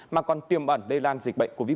mà còn tiêm ẩn lây lan dịch bệnh covid một mươi chín